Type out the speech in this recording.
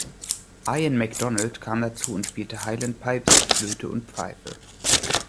Iain MacDonald kam dazu und spielte Highland Pipes, Flöte und Pfeife.